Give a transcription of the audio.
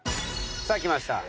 さあきました。